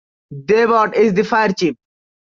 Dave Ott is the Fire Chief.